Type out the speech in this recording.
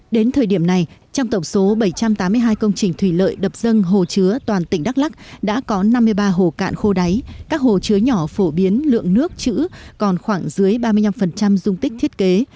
đến thời điểm này trong tổng số bảy trăm tám mươi hai công trình thủy lợi đập dâng hồ chứa toàn tỉnh đắk lắc đã có năm mươi ba hồ cạn khô đáy các hồ chứa nhỏ phổ biến lượng nước chữ còn khoảng dưới ba mươi năm dung tích thiết kế